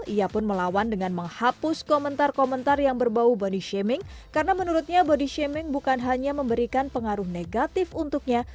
ia pun melawan dengan menghapus komentar komentar yang berbau body shaming karena menurutnya body shaming bukan hanya memberikan pengaruh negatif untuknya